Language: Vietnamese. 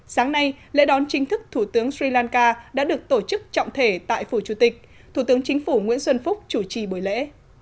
sáng nay lễ đón chính thức thủ tướng sri lanka đã được tổ chức trọng thể tại phủ chủ tịch thủ tướng chính phủ nguyễn xuân phúc chủ trì buổi lễ